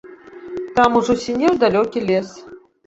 Там ужо сінеў далёкі лес.